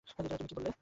তুমি কী বললে?